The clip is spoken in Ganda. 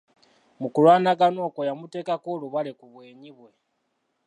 Mu kulwanagana okwo yamuteekako olubale ku bwenyi bwe.